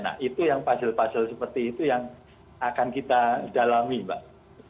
nah itu yang puzzle puzzle seperti itu yang akan kita dalami mbak